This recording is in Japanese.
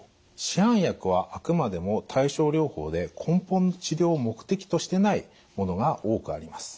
市販薬はあくまでも対症療法で根本の治療を目的としてないものが多くあります。